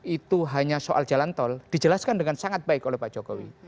itu hanya soal jalan tol dijelaskan dengan sangat baik oleh pak jokowi